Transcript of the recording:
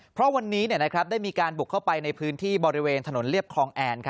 เพราะวันนี้ได้มีการบุกเข้าไปในพื้นที่บริเวณถนนเรียบคลองแอน